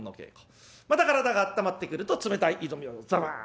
また体があったまってくると冷たい井戸水をザブン。